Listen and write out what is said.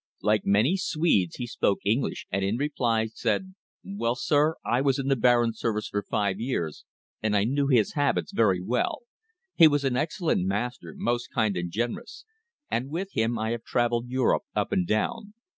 Like many Swedes he spoke English, and in reply said: "Well, sir, I was in the Baron's service for five years, and I knew his habits very well. He was an excellent master most kind and generous, and with him I have travelled Europe up and down.